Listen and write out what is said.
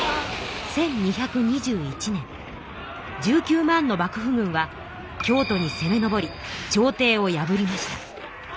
１２２１年１９万の幕府軍は京都にせめ上り朝廷を破りました。